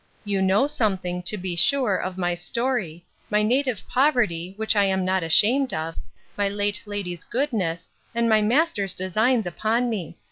You know something, to be sure, of my story, my native poverty, which I am not ashamed of, my late lady's goodness, and my master's designs upon me.